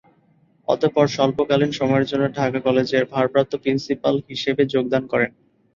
অতঃপর স্বল্পকালীন সময়ের জন্য ঢাকা কলেজের ভারপ্রাপ্ত প্রিন্সিপাল হিসেবে যোগদান করেন।